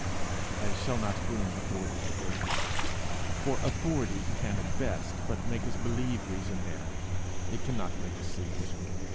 I shall not bring authority to bear, for authority can at best but make us believe reason there, it cannot make us see it.